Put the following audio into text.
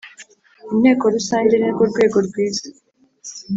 Inteko Rusange ni rwo rwego rwiza